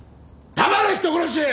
黙れ人殺し！